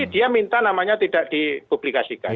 dia minta namanya tidak dipublikasikan